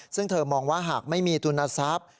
ซึ่งเธอมองว่าหากไม่มีทุนทรัพย์